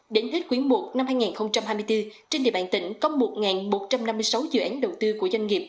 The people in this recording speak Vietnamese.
đến hết quý i năm hai nghìn hai mươi bốn trên địa bàn tỉnh có một một trăm năm mươi sáu dự án đầu tư của doanh nghiệp